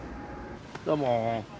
どうも。